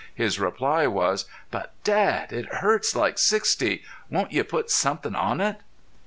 His reply was: "But, Dad, it hurts like sixty. Won't you put somethin' on it?"